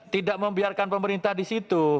tidak membiarkan pemerintah di situ